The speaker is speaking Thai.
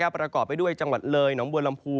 ประกอบไปด้วยจังหวัดเลยหนองบัวลำพู